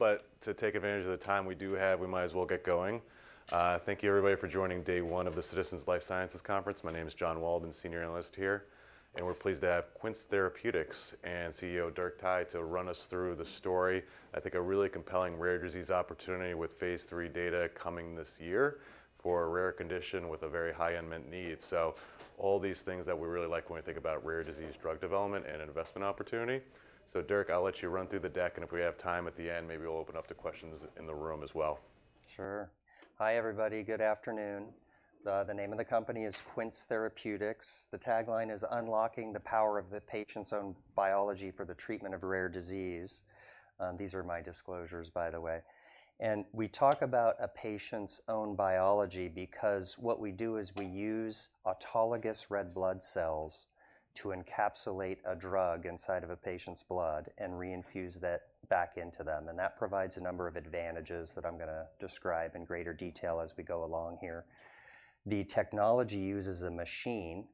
To take advantage of the time we do have, we might as well get going. Thank you, everybody, for joining day one of the Citizens Life Sciences Conference. My name is John Waldman, Senior Analyst here. We are pleased to have Quince Therapeutics and CEO Dirk Thye to run us through the story. I think a really compelling rare disease opportunity with phase three data coming this year for a rare condition with a very high unmet need. All these things that we really like when we think about rare disease drug development and investment opportunity. Dirk, I'll let you run through the deck. If we have time at the end, maybe we'll open up to questions in the room as well. Sure. Hi, everybody. Good afternoon. The name of the company is Quince Therapeutics. The tagline is, "Unlocking the Power of the Patient's Own Biology for the Treatment of Rare Disease." These are my disclosures, by the way. We talk about a patient's own biology because what we do is we use autologous red blood cells to encapsulate a drug inside of a patient's blood and reinfuse that back into them. That provides a number of advantages that I'm going to describe in greater detail as we go along here. The technology uses a machine.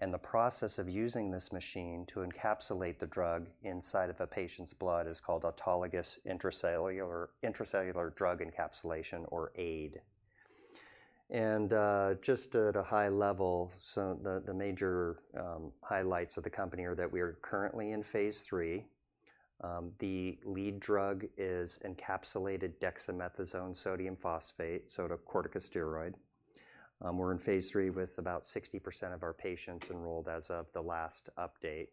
The process of using this machine to encapsulate the drug inside of a patient's blood is called Autologous Intracellular Drug Encapsulation, or AIDE. Just at a high level, the major highlights of the company are that we are currently in phase three. The lead drug is encapsulated dexamethasone sodium phosphate, so a corticosteroid. We're in phase three with about 60% of our patients enrolled as of the last update.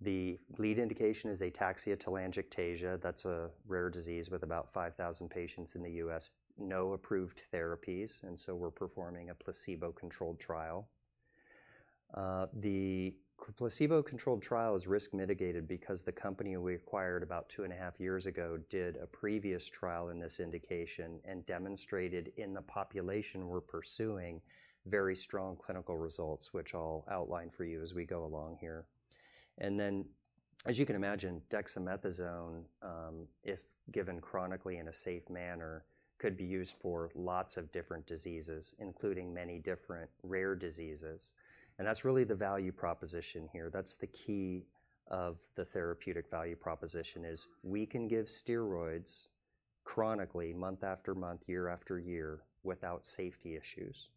The lead indication is Ataxia Telangiectasia. That's a rare disease with about 5,000 patients in the U.S.. No approved therapies. We are performing a placebo-controlled trial. The placebo-controlled trial is risk mitigated because the company we acquired about two and a half years ago did a previous trial in this indication and demonstrated in the population we're pursuing very strong clinical results, which I'll outline for you as we go along here. As you can imagine, dexamethasone, if given chronically in a safe manner, could be used for lots of different diseases, including many different rare diseases. That's really the value proposition here. That's the key of the therapeutic value proposition, is we can give steroids chronically, month after month, year after year, without safety issues.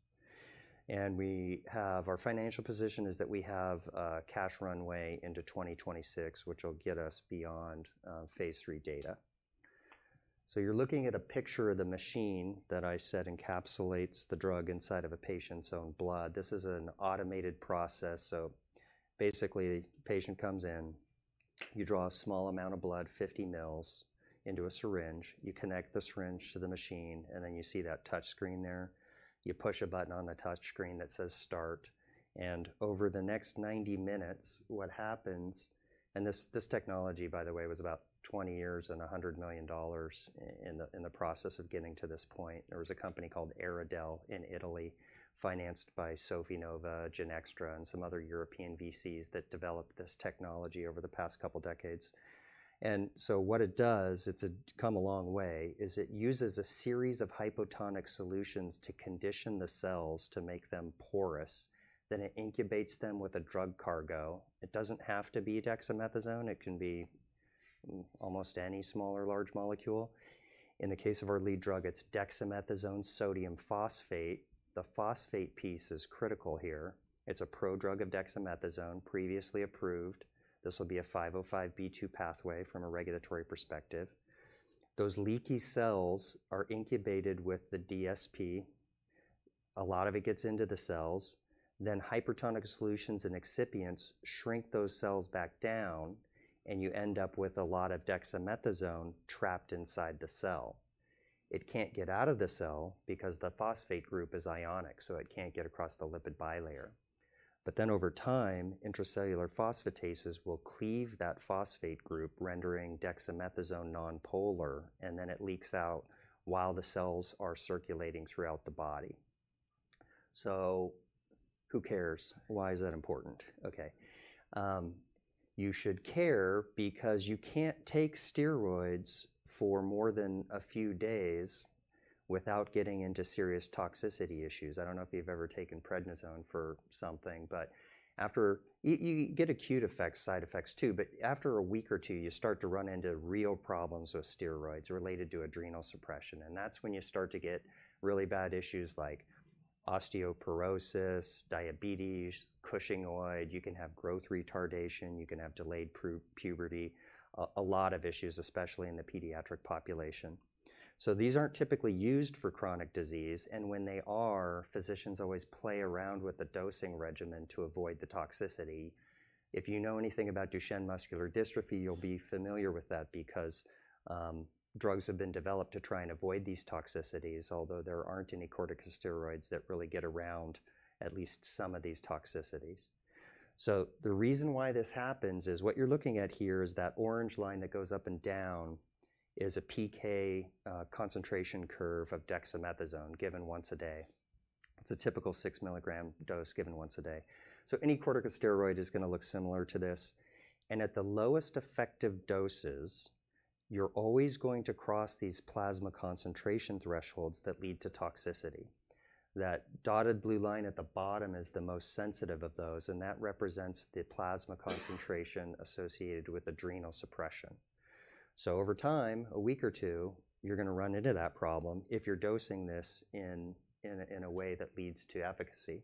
Our financial position is that we have a cash runway into 2026, which will get us beyond phase III data. You're looking at a picture of the machine that I said encapsulates the drug inside of a patient's own blood. This is an automated process. Basically, the patient comes in. You draw a small amount of blood, 50 mL, into a syringe. You connect the syringe to the machine. You see that touchscreen there. You push a button on the touchscreen that says Start. Over the next 90 minutes, what happens—this technology, by the way, was about 20 years and $100 million in the process of getting to this point. There was a company called LAERDAL in Italy, financed by Sofinnova, Genextra, and some other European VCs that developed this technology over the past couple of decades. What it does--it's come a long way--is it uses a series of hypotonic solutions to condition the cells to make them porous. It incubates them with a drug cargo. It does not have to be dexamethasone. It can be almost any small or large molecule. In the case of our lead drug, it is dexamethasone sodium phosphate. The phosphate piece is critical here. It is a prodrug of dexamethasone, previously approved. This will be a 505(b)(2) pathway from a regulatory perspective. Those leaky cells are incubated with the. A lot of it gets into the cells. Hypertonic solutions and excipients shrink those cells back down. You end up with a lot of dexamethasone trapped inside the cell. It can't get out of the cell because the phosphate group is ionic. It can't get across the lipid bilayer. Over time, intracellular phosphatases will cleave that phosphate group, rendering dexamethasone nonpolar. It leaks out while the cells are circulating throughout the body. Who cares? Why is that important? Okay. You should care because you can't take steroids for more than a few days without getting into serious toxicity issues. I don't know if you've ever taken prednisone for something. You get acute effects, side effects, too. After a week or two, you start to run into real problems with steroids related to adrenal suppression. That's when you start to get really bad issues like osteoporosis, diabetes, Cushingoid. You can have growth retardation. You can have delayed puberty. A lot of issues, especially in the pediatric population. These aren't typically used for chronic disease. When they are, physicians always play around with the dosing regimen to avoid the toxicity. If you know anything about Duchenne muscular dystrophy, you'll be familiar with that because drugs have been developed to try and avoid these toxicities, although there aren't any corticosteroids that really get around at least some of these toxicities. The reason why this happens is what you're looking at here is that orange line that goes up and down is a PK concentration curve of dexamethasone given once a day. It's a typical 6-mg dose given once a day. Any corticosteroid is going to look similar to this. At the lowest effective doses, you're always going to cross these plasma concentration thresholds that lead to toxicity. That dotted blue line at the bottom is the most sensitive of those. That represents the plasma concentration associated with adrenal suppression. Over time, a week or two, you're going to run into that problem if you're dosing this in a way that leads to efficacy.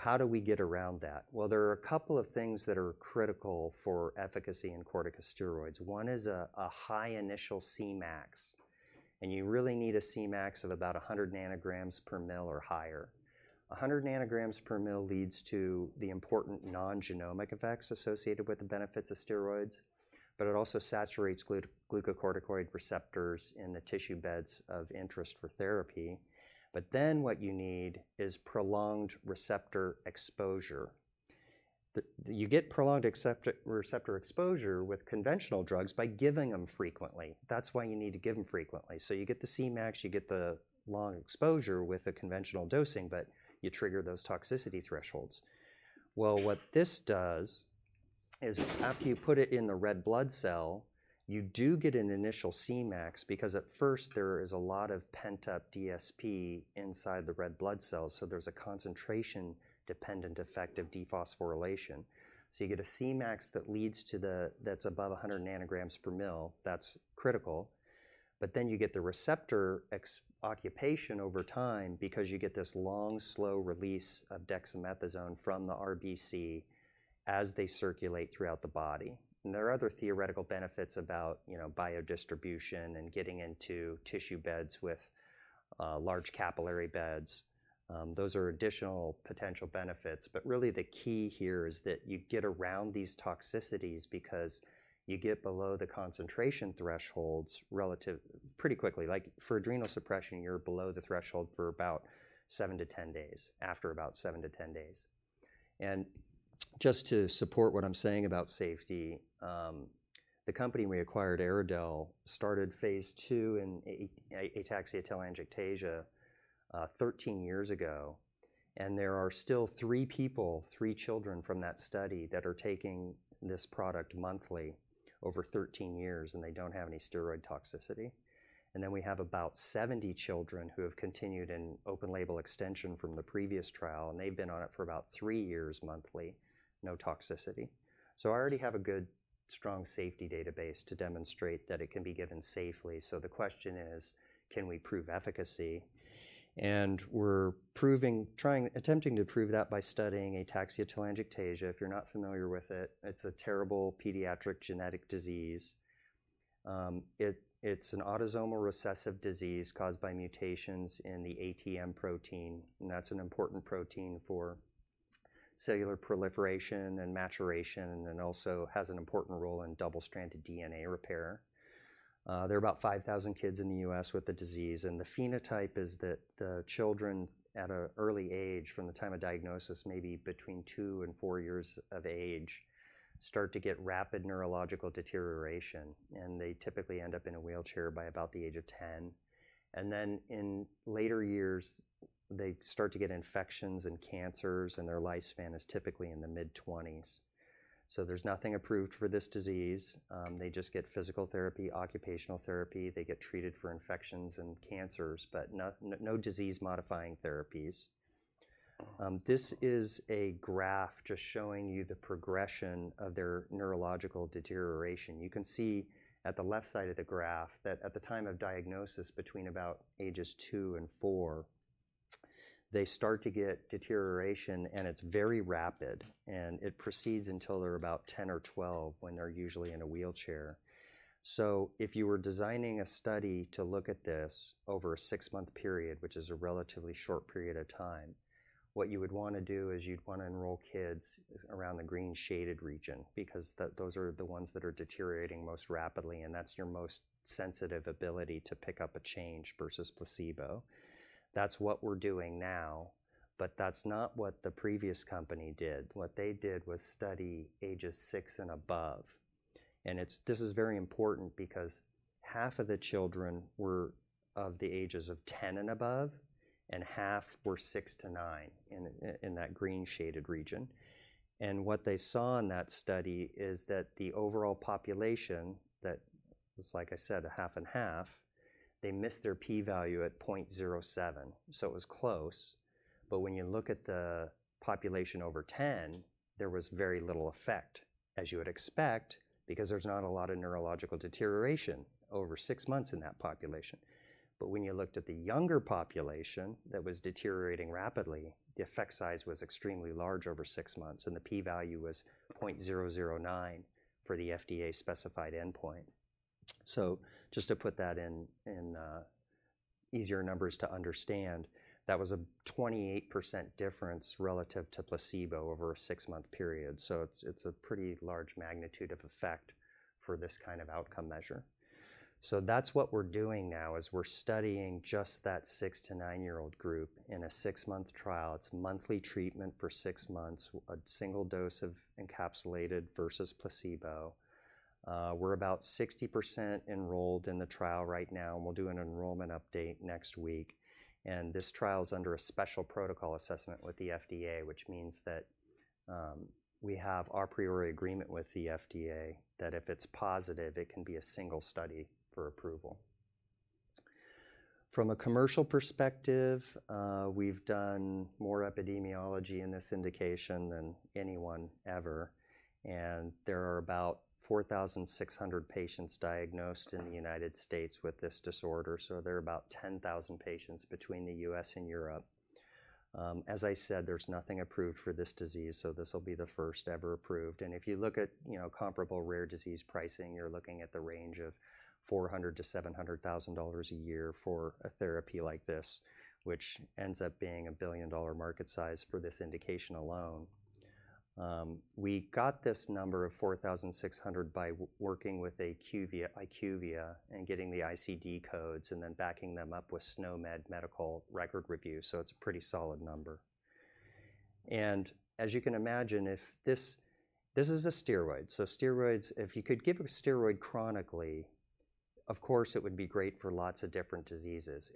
How do we get around that? There are a couple of things that are critical for efficacy in corticosteroids. One is a high initial Cmax. You really need a Cmax of about 100 ng per mL or higher. 100 ng per mL leads to the important non-genomic effects associated with the benefits of steroids. It also saturates glucocorticoid receptors in the tissue beds of interest for therapy. What you need is prolonged receptor exposure. You get prolonged receptor exposure with conventional drugs by giving them frequently. That's why you need to give them frequently. You get the Cmax. You get the long exposure with the conventional dosing. You trigger those toxicity thresholds. What this does is after you put it in the red blood cell, you do get an initial Cmax because at first, there is a lot of pent-up DSP inside the red blood cells. There is a concentration-dependent effect of dephosphorylation. You get a Cmax that is above 100 ng per mL. That is critical. You get the receptor occupation over time because you get this long, slow release of dexamethasone from the RBC as they circulate throughout the body. There are other theoretical benefits about biodistribution and getting into tissue beds with large capillary beds. Those are additional potential benefits. The key here is that you get around these toxicities because you get below the concentration thresholds pretty quickly. Like for adrenal suppression, you're below the threshold for about 7-10 days, after about 7-10 days. To support what I'm saying about safety, the company we acquired, EryDel, started phase II in Ataxia Telangiectasia 1ng years ago. There are still three people, three children from that study, that are taking this product monthly over 13 years. They do not have any steroid toxicity. We have about 70 children who have continued in open-label extension from the previous trial. They have been on it for about three years monthly, no toxicity. I already have a good, strong safety database to demonstrate that it can be given safely. The question is, can we prove efficacy? We're attempting to prove that by studying Ataxia Telangiectasia. If you're not familiar with it, it's a terrible pediatric genetic disease. It's an autosomal recessive disease caused by mutations in the ATM protein. That's an important protein for cellular proliferation and maturation and also has an important role in double-stranded DNA repair. There are about 5,000 kids in the U.S. with the disease. The phenotype is that the children at an early age, from the time of diagnosis, maybe between two and four years of age, start to get rapid neurological deterioration. They typically end up in a wheelchair by about the age of 10. In later years, they start to get infections and cancers. Their lifespan is typically in the mid-20s. There's nothing approved for this disease. They just get physical therapy, occupational therapy. They get treated for infections and cancers, but no disease-modifying therapies. This is a graph just showing you the progression of their neurological deterioration. You can see at the left side of the graph that at the time of diagnosis, between about ages two and four, they start to get deterioration. It is very rapid. It proceeds until they are about 10 or 12 when they are usually in a wheelchair. If you were designing a study to look at this over a six-month period, which is a relatively short period of time, what you would want to do is you would want to enroll kids around the green shaded region because those are the ones that are deteriorating most rapidly. That is your most sensitive ability to pick up a change versus placebo. That is what we are doing now. That is not what the previous company did. What they did was study ages six and above. This is very important because half of the children were of the ages of 10 and above. Half were six to nine in that green shaded region. What they saw in that study is that the overall population, that was, like I said, a half and half, they missed their p-value at 0.07. It was close. When you look at the population over 10, there was very little effect, as you would expect, because there is not a lot of neurological deterioration over six months in that population. When you looked at the younger population that was deteriorating rapidly, the effect size was extremely large over six months. The p-value was 0.009 for the FDA-specified endpoint. Just to put that in easier numbers to understand, that was a 28% difference relative to placebo over a six-month period. It is a pretty large magnitude of effect for this kind of outcome measure. That's what we're doing now is we're studying just that six to nine-year-old group in a six-month trial. It's monthly treatment for six months, a single dose of encapsulated versus placebo. We're about 60% enrolled in the trial right now. We'll do an enrollment update next week. This trial is under a Special Protocol Assessment with the FDA, which means that we have our priority agreement with the FDA that if it's positive, it can be a single study for approval. From a commercial perspective, we've done more epidemiology in this indication than anyone ever. There are about 4,600 patients diagnosed in the United States with this disorder. There are about 10,000 patients between the U.S. and Europe. As I said, there's nothing approved for this disease. This will be the first ever approved. If you look at comparable rare disease pricing, you're looking at the range of $400,000-$700,000 a year for a therapy like this, which ends up being a billion-dollar market size for this indication alone. We got this number of 4,600 by working with IQVIA and getting the ICD codes and then backing them up with SNOMED medical record review. It is a pretty solid number. As you can imagine, this is a steroid. If you could give a steroid chronically, of course, it would be great for lots of different diseases.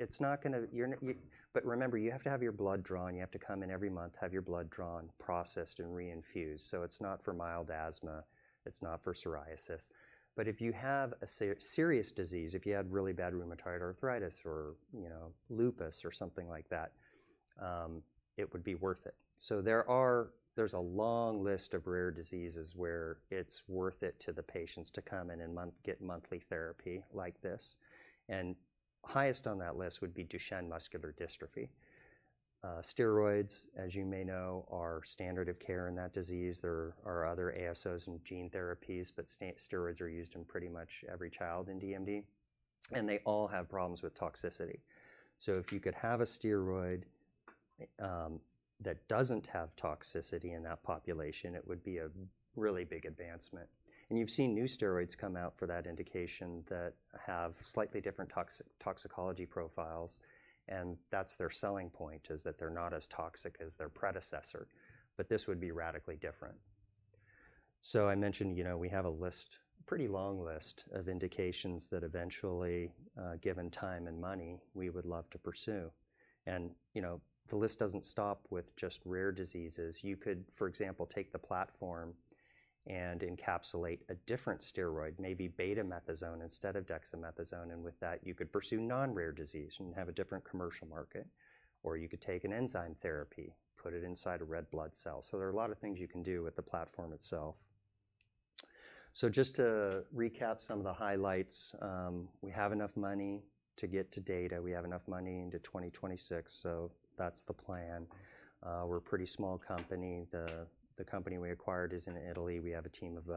Remember, you have to have your blood drawn. You have to come in every month, have your blood drawn, processed, and reinfused. It is not for mild asthma. It is not for psoriasis. If you have a serious disease, if you had really bad rheumatoid arthritis or lupus or something like that, it would be worth it. There is a long list of rare diseases where it is worth it to the patients to come in and get monthly therapy like this. Highest on that list would be Duchenne muscular dystrophy. Steroids, as you may know, are standard of care in that disease. There are other ASOs and gene therapies, but steroids are used in pretty much every child in DMD. They all have problems with toxicity. If you could have a steroid that does not have toxicity in that population, it would be a really big advancement. You have seen new steroids come out for that indication that have slightly different toxicology profiles. Their selling point is that they are not as toxic as their predecessor. This would be radically different. I mentioned we have a pretty long list of indications that eventually, given time and money, we would love to pursue. The list does not stop with just rare diseases. You could, for example, take the platform and encapsulate a different steroid, maybe betamethasone instead of dexamethasone. With that, you could pursue non-rare disease and have a different commercial market. You could take an enzyme therapy, put it inside a red blood cell. There are a lot of things you can do with the platform itself. Just to recap some of the highlights, we have enough money to get to data. We have enough money into 2026. That is the plan. We are a pretty small company. The company we acquired is in Italy. We have a team of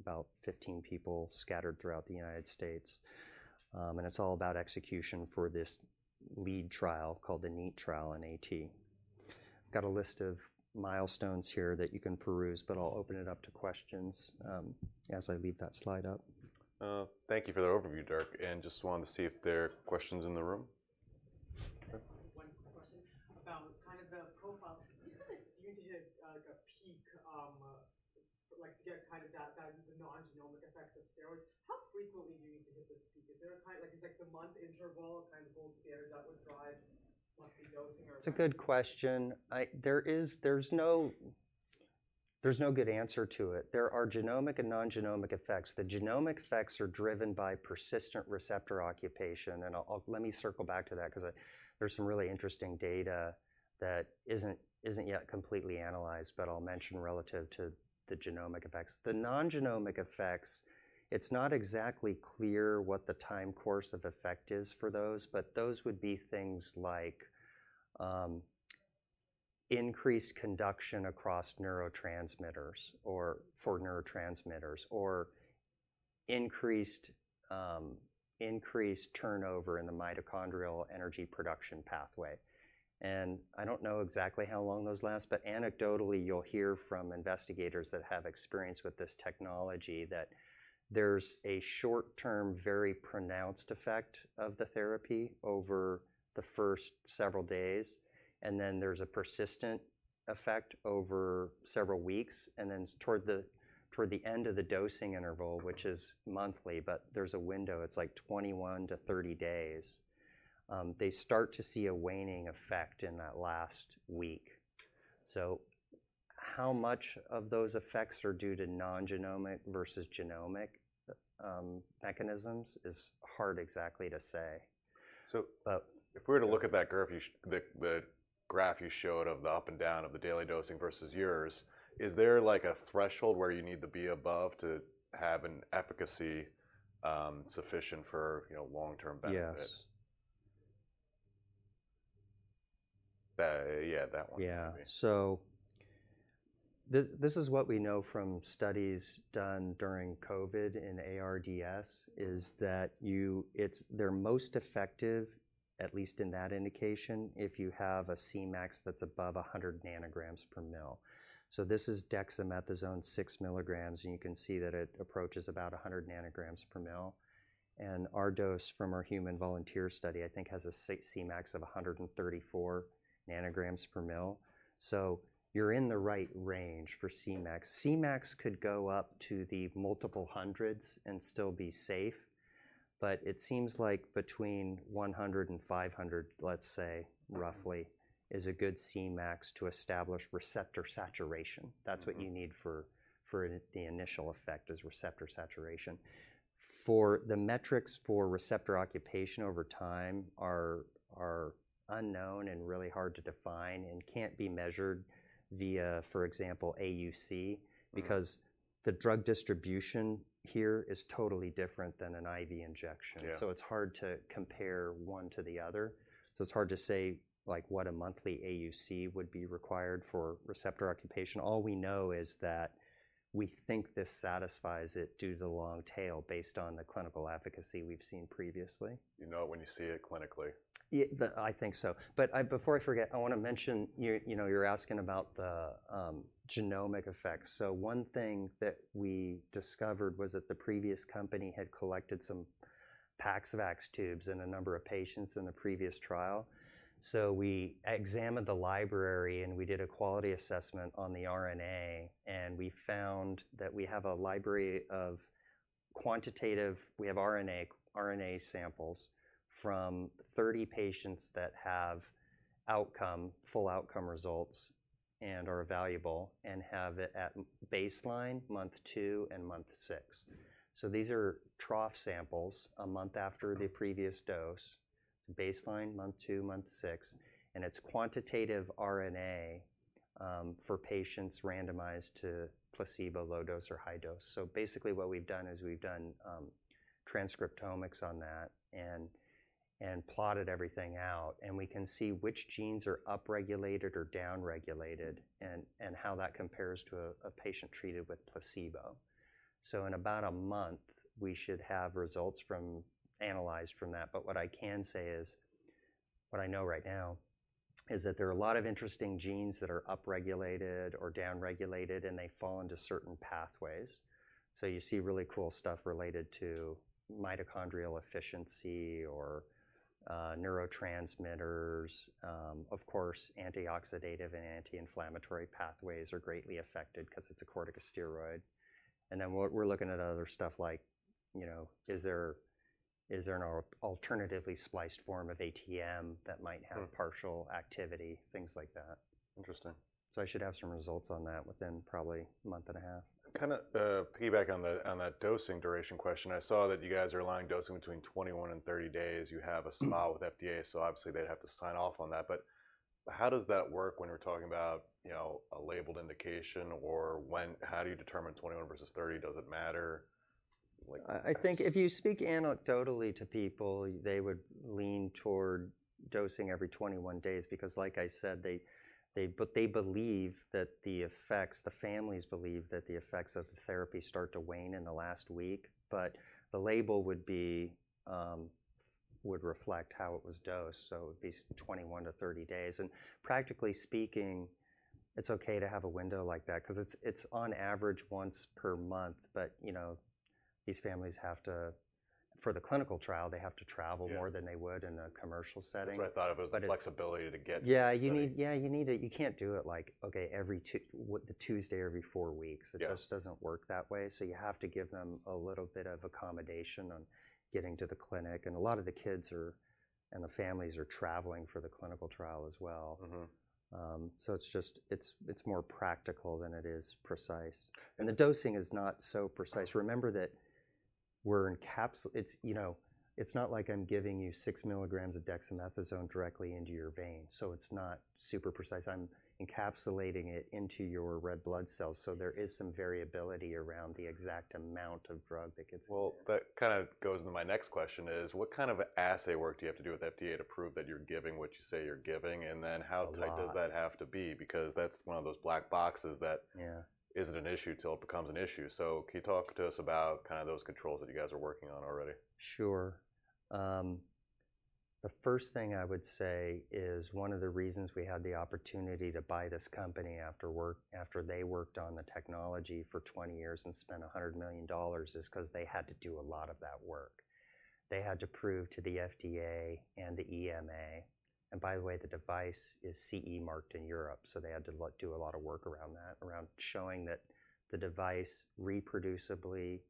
about 15 people scattered throughout the United States. It is all about execution for this lead trial called the NEAT trial in A-T. I have got a list of milestones here that you can peruse. I will open it up to questions as I leave that slide up. Thank you for the overview, Dirk. I just wanted to see if there are questions in the room. One quick question about kind of the profile. You said that you need to hit a peak to get kind of that non-genomic effect of steroids. How frequently do you need to hit this peak? Is there a month interval kind of hold standards out what drives monthly dosing or? That's a good question. There's no good answer to it. There are genomic and non-genomic effects. The genomic effects are driven by persistent receptor occupation. Let me circle back to that because there's some really interesting data that isn't yet completely analyzed. I'll mention relative to the genomic effects. The non-genomic effects, it's not exactly clear what the time course of effect is for those. Those would be things like increased conduction across neurotransmitters or for neurotransmitters or increased turnover in the mitochondrial energy production pathway. I don't know exactly how long those last. Anecdotally, you'll hear from investigators that have experience with this technology that there's a short-term, very pronounced effect of the therapy over the first several days. There's a persistent effect over several weeks. Toward the end of the dosing interval, which is monthly, there's a window. It's like 21-30 days. They start to see a waning effect in that last week. How much of those effects are due to non-genomic versus genomic mechanisms is hard exactly to say. If we were to look at that graph you showed of the up and down of the daily dosing versus yours, is there a threshold where you need to be above to have an efficacy sufficient for long-term benefits? Yeah, that one. Yeah. This is what we know from studies done during COVID in ARDS is that they're most effective, at least in that indication, if you have a Cmax that's above 100 ng per mL. This is dexamethasone 6 mg. You can see that it approaches about 100 ng per mL. Our dose from our human volunteer study, I think, has a Cmax of 134 ng per mL. You're in the right range for Cmax. Cmax could go up to the multiple hundreds and still be safe. It seems like between 100 and 500, let's say, roughly, is a good Cmax to establish receptor saturation. That's what you need for the initial effect is receptor saturation. The metrics for receptor occupation over time are unknown and really hard to define and can't be measured via, for example, AUC because the drug distribution here is totally different than an IV injection. It's hard to compare one to the other. It's hard to say what a monthly AUC would be required for receptor occupation. All we know is that we think this satisfies it due to the long tail based on the clinical efficacy we've seen previously. You know it when you see it clinically. I think so. Before I forget, I want to mention you are asking about the genomic effects. One thing that we discovered was that the previous company had collected some PaxVax tubes in a number of patients in the previous trial. We examined the library. We did a quality assessment on the RNA. We found that we have a library of quantitative, we have RNA samples from 30 patients that have full outcome results and are valuable and have it at baseline, month two, and month six. These are trough samples a month after the previous dose. It is baseline, month two, month six. It is quantitative RNA for patients randomized to placebo, low dose, or high dose. Basically, what we have done is we have done transcriptomics on that and plotted everything out. We can see which genes are upregulated or downregulated and how that compares to a patient treated with placebo. In about a month, we should have results analyzed from that. What I can say is what I know right now is that there are a lot of interesting genes that are upregulated or downregulated. They fall into certain pathways. You see really cool stuff related to mitochondrial efficiency or neurotransmitters. Of course, antioxidative and anti-inflammatory pathways are greatly affected because it is a corticosteroid. We are looking at other stuff like is there an alternatively spliced form of ATM that might have partial activity, things like that. Interesting. I should have some results on that within probably a month and a half. Kind of piggyback on that dosing duration question, I saw that you guys are allowing dosing between 21 and 30 days. You have a spot with FDA. Obviously, they have to sign off on that. How does that work when we're talking about a labeled indication? Or how do you determine 21 versus 30? Does it matter? I think if you speak anecdotally to people, they would lean toward dosing every 21 days because, like I said, they believe that the effects, the families believe that the effects of the therapy start to wane in the last week. The label would reflect how it was dosed. It would be 21-30 days. Practically speaking, it's OK to have a window like that because it's on average once per month. These families have to, for the clinical trial, they have to travel more than they would in a commercial setting. That's what I thought of as the flexibility to get to the clinic. Yeah. Yeah, you need it. You can't do it like, OK, the Tuesday every four weeks. It just doesn't work that way. You have to give them a little bit of accommodation on getting to the clinic. A lot of the kids and the families are traveling for the clinical trial as well. It is more practical than it is precise. The dosing is not so precise. Remember that we're encapsulating, it's not like I'm giving you 6 mg of dexamethasone directly into your vein. It is not super precise. I'm encapsulating it into your red blood cells. There is some variability around the exact amount of drug that gets in. That kind of goes into my next question. What kind of assay work do you have to do with FDA to prove that you're giving what you say you're giving? How tight does that have to be? Because that's one of those black boxes that isn't an issue until it becomes an issue. Can you talk to us about those controls that you guys are working on already? Sure. The first thing I would say is one of the reasons we had the opportunity to buy this company after they worked on the technology for 20 years and spent $100 million is because they had to do a lot of that work. They had to prove to the FDA and the EMA. By the way, the device is CE marked in Europe. They had to do a lot of work around that, around showing that the device reproducibly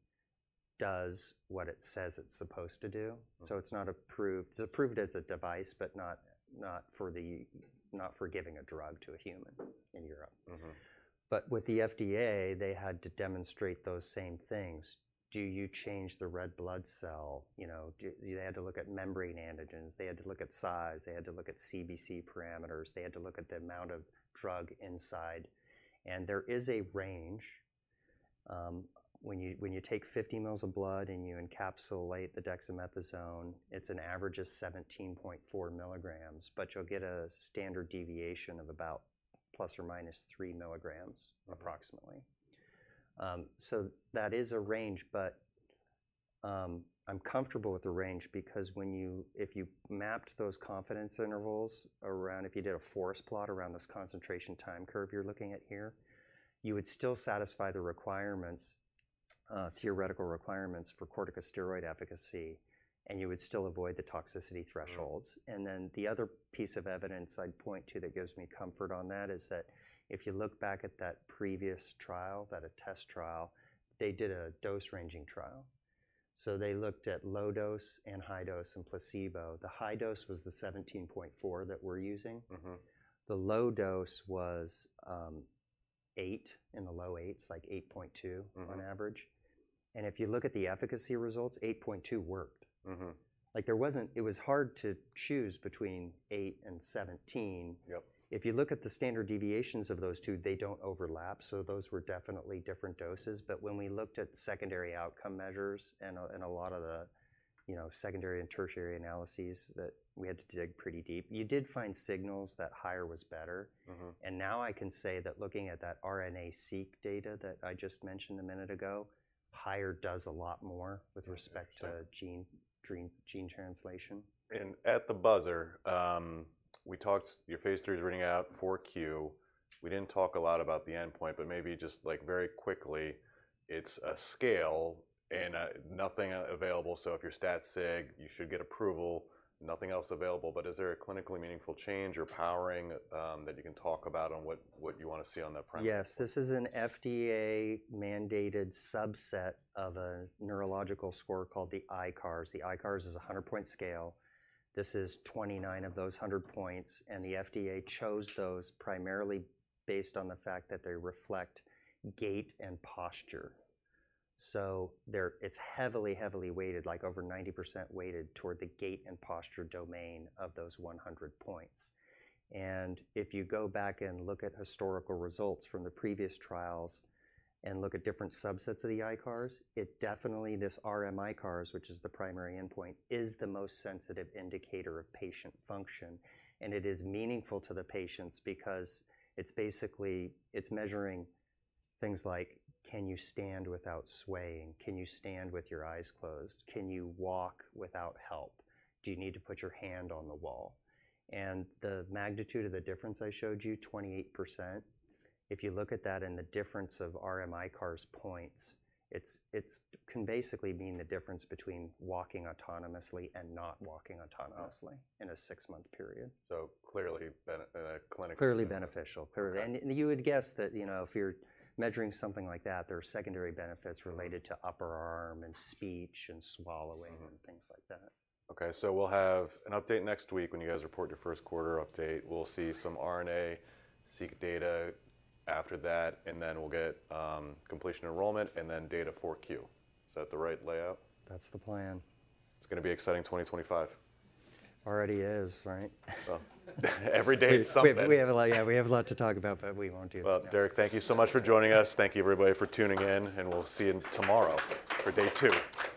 does what it says it's supposed to do. It's not approved. It's approved as a device, but not for giving a drug to a human in Europe. With the FDA, they had to demonstrate those same things. Do you change the red blood cell? They had to look at membrane antigens. They had to look at size. They had to look at CBC parameters. They had to look at the amount of drug inside. There is a range. When you take 50 mL of blood and you encapsulate the dexamethasone, it's an average of 17.4 mg. You'll get a standard deviation of about ±3 mg, approximately. That is a range. I'm comfortable with the range because if you mapped those confidence intervals around, if you did a forest plot around this concentration time curve you're looking at here, you would still satisfy the theoretical requirements for corticosteroid efficacy. You would still avoid the toxicity thresholds. The other piece of evidence I'd point to that gives me comfort on that is that if you look back at that previous trial, that test trial, they did a dose ranging trial. They looked at low dose and high dose in placebo. The high dose was the 17.4 that we're using. The low dose was 8 in the low 8s, like 8.2 on average. If you look at the efficacy results, 8.2 worked. It was hard to choose between 8 and 17. If you look at the standard deviations of those two, they do not overlap. Those were definitely different doses. When we looked at secondary outcome measures and a lot of the secondary and tertiary analyses that we had to dig pretty deep, you did find signals that higher was better. Now I can say that looking at that RNA-seq data that I just mentioned a minute ago, higher does a lot more with respect to gene translation. At the buzzer, your phase III is running out, 4Q. We did not talk a lot about the endpoint. Maybe just very quickly, it is a scale and nothing available. If you are stat-sig, you should get approval. Nothing else available. Is there a clinically meaningful change or powering that you can talk about on what you want to see on that premise? Yes. This is an FDA-mandated subset of a neurological score called the ICARS. The ICARS is a 100-point scale. This is 29 of those 100 points. The FDA chose those primarily based on the fact that they reflect gait and posture. It is heavily, heavily weighted, like over 90% weighted toward the gait and posture domain of those 100 points. If you go back and look at historical results from the previous trials and look at different subsets of the ICARS, definitely this RMICARS, which is the primary endpoint, is the most sensitive indicator of patient function. It is meaningful to the patients because it is measuring things like, can you stand without swaying? Can you stand with your eyes closed? Can you walk without help? Do you need to put your hand on the wall? The magnitude of the difference I showed you, 28%, if you look at that and the difference of RMICARS points, it can basically mean the difference between walking autonomously and not walking autonomously in a six-month period. Clearly beneficial. Clearly beneficial. Clearly. You would guess that if you're measuring something like that, there are secondary benefits related to upper arm and speech and swallowing and things like that. OK. We'll have an update next week when you guys report your first quarter update. We'll see some RNA-seq data after that. Then we'll get completion enrollment and then data 4Q. Is that the right layout? That's the plan. It's going to be exciting 2025. Already is, right? Every day it's something. Yeah, we have a lot to talk about. We won't do that. Thank you so much for joining us. Thank you, everybody, for tuning in. We will see you tomorrow for day two. Thanks.